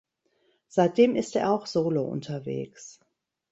Seitdem ist er auch Solo unterwegs.